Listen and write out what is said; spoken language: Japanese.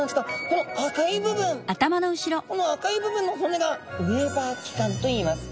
この赤い部分の骨がウェーバー器官といいます。